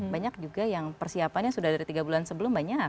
banyak juga yang persiapannya sudah dari tiga bulan sebelum banyak